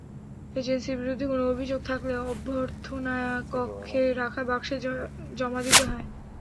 এজেন্সির বিরুদ্ধে কোনো অভিযোগ থাকলে অভ্যর্থনাকক্ষে রাখা বাক্সে জমা দিতে হয়।